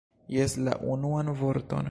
Jes, la unuan vorton!